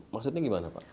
maksudnya bagaimana pak